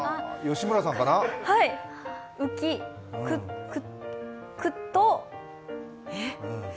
浮き、くと。